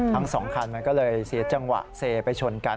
ทั้งสองคันมันก็เลยเสียจังหวะเซไปชนกัน